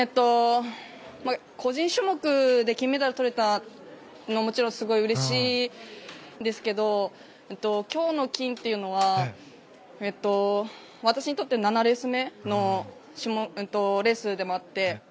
個人種目で金メダルをとれたのはもちろんすごいうれしいんですけど今日の金っていうのは私にとって７レース目のレースでもあって